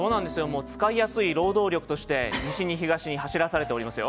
もう使いやすい労働力として西に東に走らされておりますよ。